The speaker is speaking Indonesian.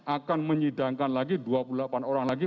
akan menyidangkan lagi dua puluh delapan orang lagi